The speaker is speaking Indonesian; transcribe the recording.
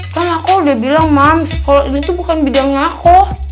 kan aku udah bilang man kalau ini tuh bukan bidangnya aku